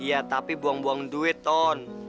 iya tapi buang buang duit ton